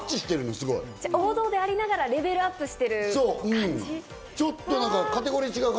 王道でありながらレベルアッそう。